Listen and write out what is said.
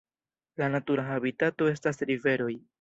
La natura habitato estas riveroj.